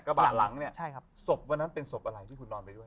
กระบะหลังเนี่ยใช่ครับศพวันนั้นเป็นศพอะไรที่คุณนอนไปด้วย